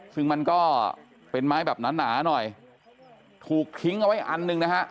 ซึ่งมันก็เป็นไม้แบบหนาหน่อยถูกทิ้งเอาไว้อันหนึ่งนะฮะ